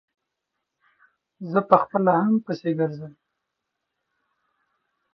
زه په خپله هم پسې ګرځم.